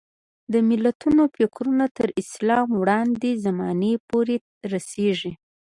د متلونو فکرونه تر اسلام وړاندې زمانې پورې رسېږي